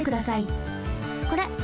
これ。